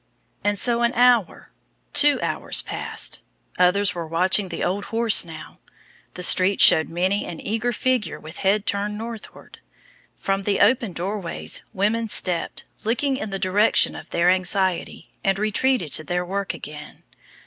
And so an hour two hours passed. Others were watching the old horse now. The street showed many an eager figure with head turned northward. From the open door ways women stepped, looked in the direction of their anxiety and retreated to their work again.